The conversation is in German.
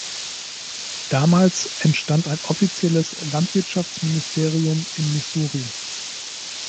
Damals entstand ein offizielles Landwirtschaftsministerium in Missouri.